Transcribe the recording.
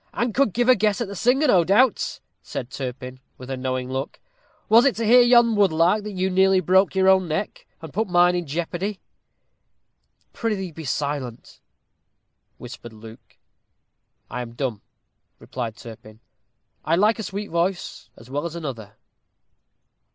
"And could give a guess at the singer, no doubt," said Turpin, with a knowing look. "Was it to hear yon woodlark that you nearly broke your own neck, and put mine in jeopardy?" "Prithee be silent," whispered Luke. "I am dumb," replied Turpin; "I like a sweet voice as well as another."